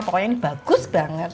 pokoknya ini bagus banget